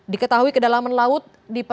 diketahui kedalaman laut